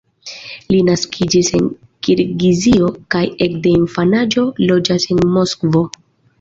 Li naskiĝis en Kirgizio, kaj ekde infanaĝo loĝas en Moskvo.